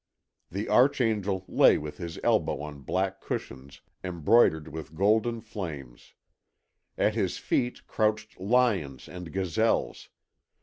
The archangel lay with his elbow on black cushions embroidered with golden flames. At his feet crouched lions and gazelles.